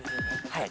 はい。